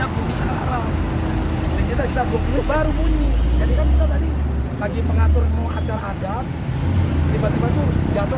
baru baru bunyi jadi kan kita tadi lagi mengatur mau acara ada tiba tiba tuh jatuh